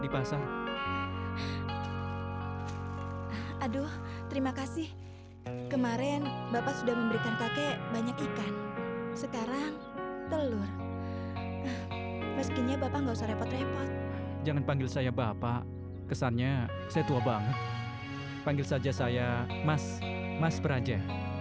bang panggil saja saya mas mas praja